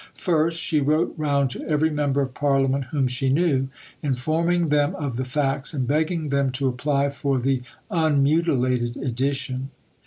First, she wrote round to every member of Parliament whom she knew, informing them of the facts and begging them to apply for the unmutilated edition.